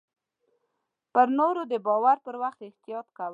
پر نور د باور پر وخت احتياط کوه .